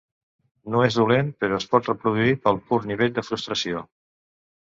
No és dolent, però es pot reproduir pel pur nivell de frustració.